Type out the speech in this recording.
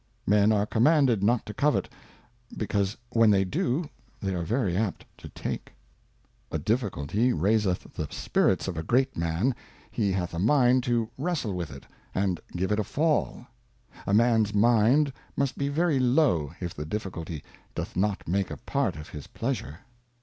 Men are commanded not to covet, because when they do they are very apt to take. Difficulty. A DIFFICULTY raiseth the Spirits of a great Man, he hath a mind to wrestle with it, and give it a Fall. A Man's Mind must be very low, if the Difficulty doth not make a part of his Pleasure.